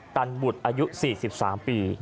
ตันบุตรอายุ๔๓ปี